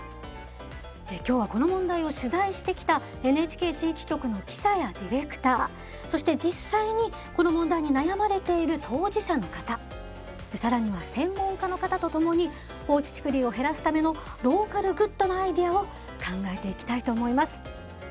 今日はこの問題を取材してきたＮＨＫ地域局の記者やディレクターそして実際にこの問題に悩まれている当事者の方更には専門家の方と共に放置竹林を減らすためのローカルグッドなアイデアを考えていきたいと思います。